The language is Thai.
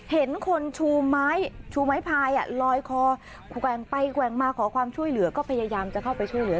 เห็นคนชูไม้ชูไม้พายลอยคอแกว่งไปแกว่งมาขอความช่วยเหลือก็พยายามจะเข้าไปช่วยเหลือ